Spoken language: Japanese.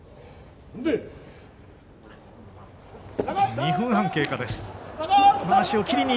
２分半経過です。